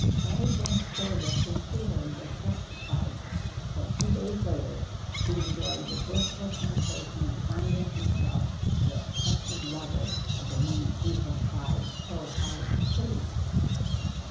And events showed that his feeling was justified, for two days later he enjoyed the blissful sensation of finding himself the accepted lover of the woman he had tried so hard to please.